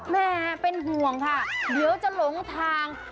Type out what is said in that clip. แม่เป็นห่วงค่ะเดี๋ยวจะหลงทาง